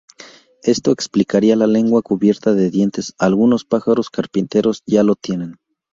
Esto explicaría la lengua cubierta de dientes, algunos pájaros carpinteros ya lo tienen.